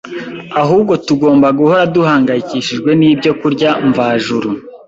ahubwo tugomba guhora duhangayikishijwe n’ibyokurya mvajuru,